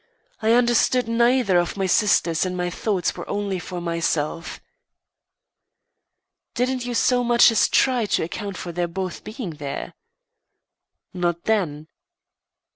I understood neither of my sisters and my thoughts were only for myself." "Didn't you so much as try to account for their both being there?" "Not then."